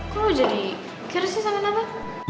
kok lo jadi keras sih sama nata